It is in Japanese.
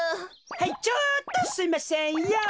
はいちょっとすいませんヨー。